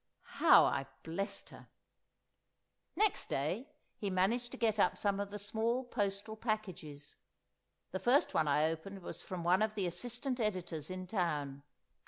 How I blessed her! Next day he managed to get up some of the small postal packages. The first one I opened was from one of the Assistant Editors in town.